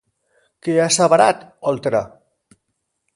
Què ha asseverat Oltra?